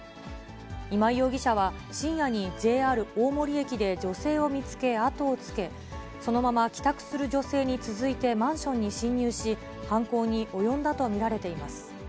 今井容疑者は、深夜にＪＲ大森駅で女性を見つけあとをつけ、そのまま帰宅する女性に続いてマンションに侵入し、犯行に及んだと見られています。